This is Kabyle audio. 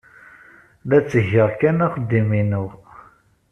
La ttgeɣ kan axeddim-inu.